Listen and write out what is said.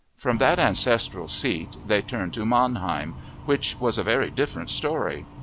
From that ancestral seat they turned to Mannheim, which was a very different story.